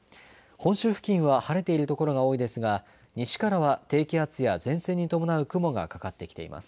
本州付近は晴れている所が多いですが西からは低気圧や前線に伴う雲がかかってきています。